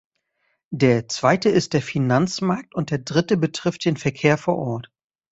Der zweite ist der Finanzmarkt und der dritte betrifft den Verkehr vor Ort.